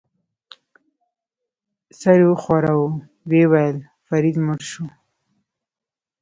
سر وښوراوه، ویې ویل: فرید مړ شو.